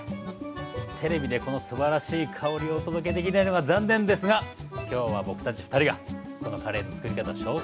テレビでこのすばらしい香りをお届けできないのが残念ですがきょうは僕たち２人がこのカレーのつくり方を紹介。